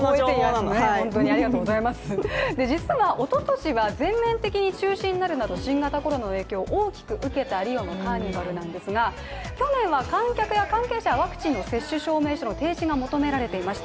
実はおととしは世間面的に中止になるなど、新型コロナの影響を大きく受けたリオのカーニバルなんですが、去年は観客や関係者ワクチンの接種証明書の提示が求められていました。